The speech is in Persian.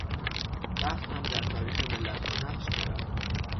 بخت هم در تاریخ ملتها نقش دارد.